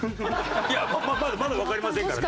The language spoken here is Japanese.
いやまだわかりませんからね。